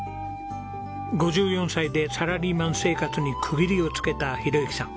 ５４歳でサラリーマン生活に区切りをつけた宏幸さん。